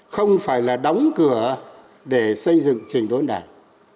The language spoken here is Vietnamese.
không phải là đóng cửa để xây dựng trình đốn đảng